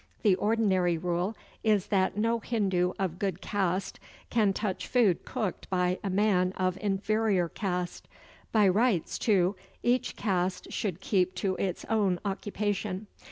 The ordinary rule is that no Hindu of good caste can touch food cooked by a man of inferior caste. By rights, too, each caste should keep to its own occupation.